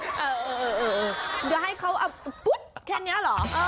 เดี๋ยวให้เขาเอาปุ๊ดแค่นี้เหรอ